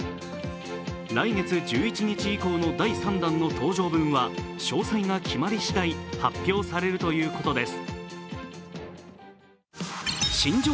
来月１１日以降の第３弾の搭乗分は詳細が決まりしだい、発表されるということです。